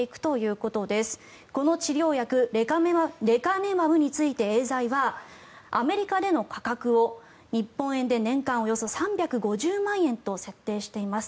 この治療薬、レカネマブについてエーザイはアメリカでの価格を日本円で年間およそ３５０万円と設定しています。